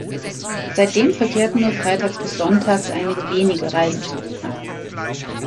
Seitdem verkehrten nur freitags bis sonntags einige wenige Reisezugpaare.